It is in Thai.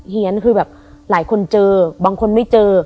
เฮียนคือแบบหลายคนเจอบางคนไม่เจอ